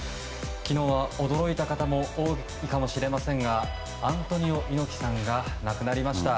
昨日は驚いた方も多いかもしれませんがアントニオ猪木さんが亡くなりました。